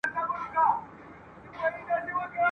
اوس خو راغلی یمه پیره ستنېدلای نه سم !.